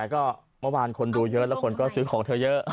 ก็เมื่อวานคนดูเยอะแล้วคนก็ซื้อของเธอเยอะ